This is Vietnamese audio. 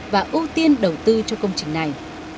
và ưu tiên đầu tư cho công trình này